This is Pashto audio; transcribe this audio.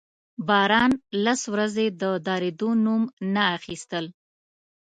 باران لس ورځې د درېدو نوم نه اخيستل.